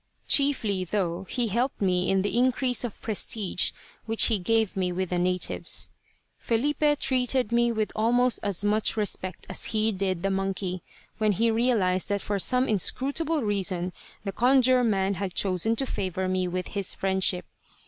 Chiefly, though, he helped me in the increase of prestige which he gave me with the natives. Filipe treated me with almost as much respect as he did the monkey, when he realised that for some inscrutable reason the Conjure man had chosen to favour me with his friendship.